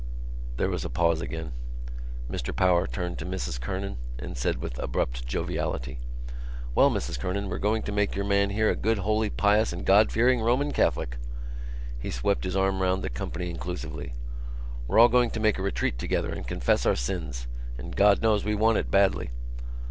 There was a pause again. Mr Power turned to Mrs Kernan and said with abrupt joviality: "Well, Mrs Kernan, we're going to make your man here a good holy pious and God fearing Roman Catholic." He swept his arm round the company inclusively. "We're all going to make a retreat together and confess our sins—and God knows we want it badly."